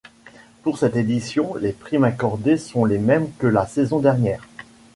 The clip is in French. Pour cette édition, les primes accordées sont les mêmes que la saison dernière.